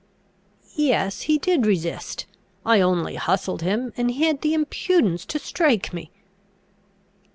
"Yes, he did resist. I only hustled him, and he had the impudence to strike me."